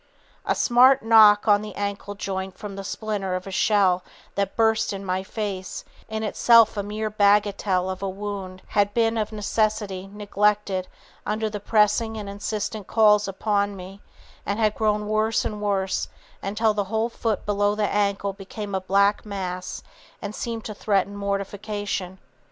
A smart knock on the ankle joint from the splinter of a shell that burst in my face, in itself a mere bagatelle of a wound, had been of necessity neglected under the pressing and insistent calls upon me, and had grown worse and worse until the whole foot below the ankle became a black mass and seemed to threaten mortification.